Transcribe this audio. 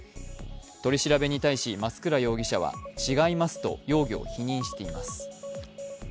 取り調べに対し増倉容疑者は違いますと容疑を否認しています。